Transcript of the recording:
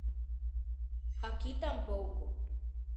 Aquí tampouco.